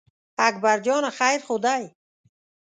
اکبر جانه خیر خو دی.